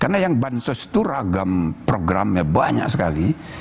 karena yang bansos itu ragam programnya banyak sekali